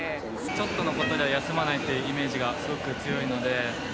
ちょっとのことでは休まないというイメージがすごく強いので。